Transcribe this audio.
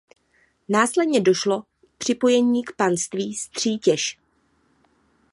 Následně došlo k připojení k panství Střítež.